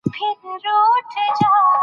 پېیر کوري د څېړنې لپاره لابراتوار ته لاړ.